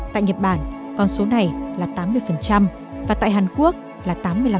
tại nhật bản con số này là tám mươi và tại hàn quốc là tám mươi năm